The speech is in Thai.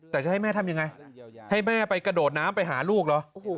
แต่จะให้แม่ทำยังไงให้แม่ไปกระโดดน้ำไปหาลูกเหรอ